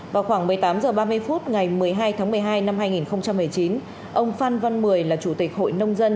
vào khoảng một mươi tám h ba mươi phút ngày một mươi hai tháng một mươi hai năm hai nghìn một mươi chín ông phan văn mười là chủ tịch hội nông dân